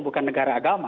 bukan negara agama